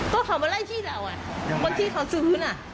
ก็เขามาไล่ที่เราที่เขาซื้อพื้น